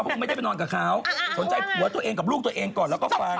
อ่าอ้าวว่าไงอ๋อสนใจผัวตัวเองกับลูกตัวเองก่อนแล้วก็ฟัง